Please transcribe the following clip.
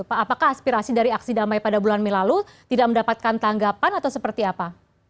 apakah aspirasi dari aksi damai pada bulan mei lalu tidak mendapatkan tanggapan atau seperti apa